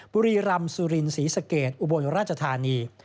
บุรีรำสุรินศรีสะเกดอุบลราชธานี